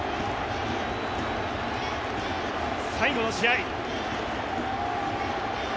最後の試合。